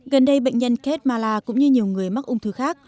gần đây bệnh nhân kate marla cũng như nhiều người mắc ung thư khác